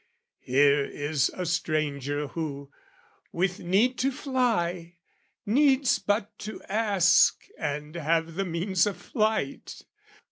Here is a stranger who, with need to fly, Needs but to ask and have the means of flight.